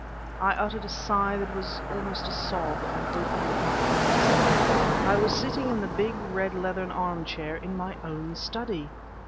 I uttered a sigh that was almost a sob, and opened my eyes. I was sitting in the big red leathern armchair in my own study...